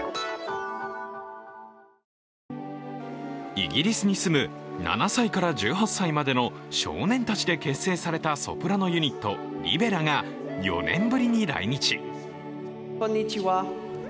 イギリスに住む７歳から１８歳たちの少年たちで結成されたソプラノユニット、リベラが４年ぶりに来日。